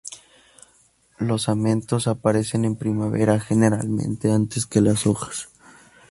Los amentos aparecen en primavera, generalmente antes que las hojas.